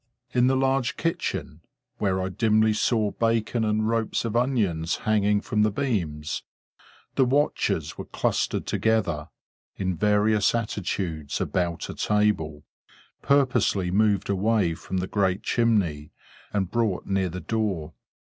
In the large kitchen, where I dimly saw bacon and ropes of onions hanging from the beams, the watchers were clustered together, in various attitudes, about a table, purposely moved away from the great chimney, and brought near the door.